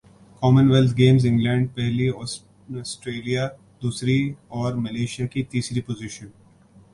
common wealth Games England پہلی Australia دوسری اور ملائشیا کی تیسری پوزیشن